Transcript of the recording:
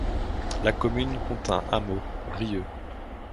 La commune compte un hameau, Rieux.